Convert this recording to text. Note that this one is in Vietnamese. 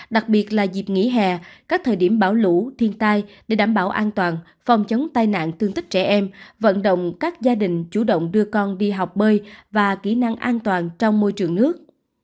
đặc biệt là dịp nghỉ hè các thời điểm bão lũ thiên tai để đảm bảo an toàn phòng chống tai nạn thương tích trẻ em vận động các gia đình chủ động đưa con đi học bơi và kỹ năng an toàn trong môi trường nước